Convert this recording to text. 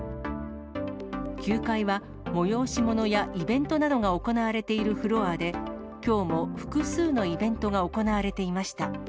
９階は、催し物やイベントなどが行われているフロアで、きょうも複数のイベントが行われていました。